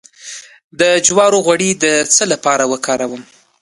د جوارو غوړي د څه لپاره وکاروم؟